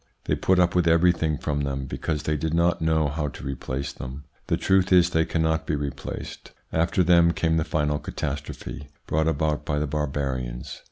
They put up with everything from them, because they did not know how to replace them. The truth is they cannot be replaced. After them came the final catastrophe brought about by the barbarians.